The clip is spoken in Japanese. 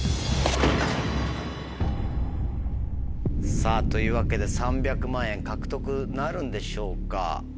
さぁというわけで３００万円獲得なるんでしょうか？